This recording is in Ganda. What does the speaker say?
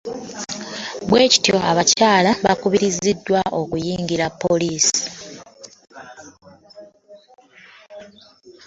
Bwe kityo abakyala bakubirizibwa okuyingira poliisi.